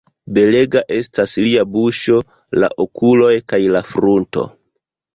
Belega estas lia buŝo, la okuloj kaj la frunto.